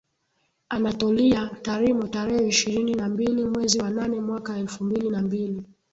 Anatolia Tarimo tarehe ishirini na mbili mwezi wa nane mwaka elfu mbili na mbili